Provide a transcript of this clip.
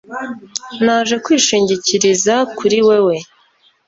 Naje kwishingikiriza kuri wewe